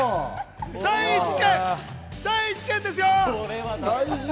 大事件です！